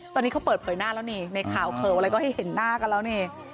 ตอนนี้เขาเปิดเผยหน้าแล้วนี่ในข่าวข่าวอะไรก็ให้เห็นหน้ากันแล้วนี่